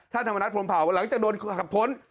ธรรมนัฐพรมเผาหลังจากโดนขับพ้น